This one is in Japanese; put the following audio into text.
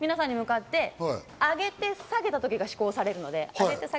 皆さんに向かって上げて、下げた時が施行されます。